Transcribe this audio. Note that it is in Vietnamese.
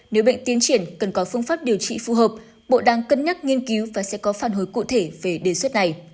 nếu bệnh tiến triển cần có phương pháp điều trị phù hợp bộ đang cân nhắc nghiên cứu và sẽ có phản hồi cụ thể về đề xuất này